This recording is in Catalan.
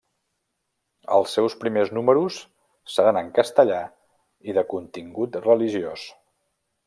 Els seus primers números seran en castellà i de contingut religiós.